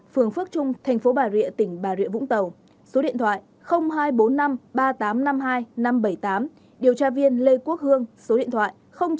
phường phước trung thành phố bà rịa tỉnh bà rịa vũng tàu số điện thoại hai trăm bốn mươi năm ba nghìn tám trăm năm mươi hai năm trăm bảy mươi tám điều tra viên lê quốc hương số điện thoại chín trăm ba mươi chín bốn trăm sáu mươi sáu bảy trăm bảy mươi bảy